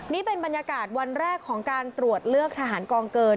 นี่เป็นบรรยากาศวันแรกของการตรวจเลือกทหารกองเกิน